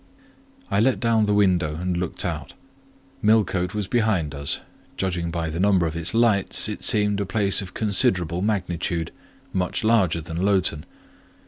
I let down the window and looked out; Millcote was behind us; judging by the number of its lights, it seemed a place of considerable magnitude, much larger than Lowton.